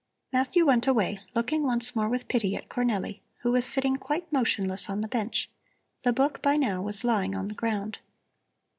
Matthew went away, looking once more with pity at Cornelli, who was sitting quite motionless on the bench. The book by now was lying on the ground.